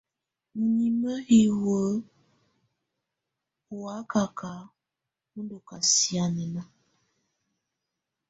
Nimǝ́ hiwǝ ɔ́ wakaka ɔ́ ndɔ́ kasianɛna.